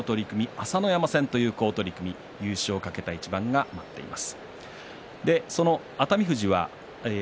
朝乃山戦という好取組優勝を懸けた一番が待っています。